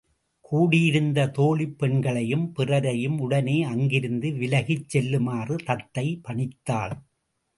கூடியிருந்த தோழிப் பெண்களையும் பிறரையும் உடனே அங்கிருந்து விலகிச் செல்லுமாறு தத்தை பணித்தாள்.